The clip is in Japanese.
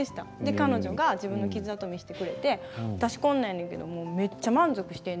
彼女は自分の傷あとを見せてくれて私はこんなんだけど、めっちゃ満足している。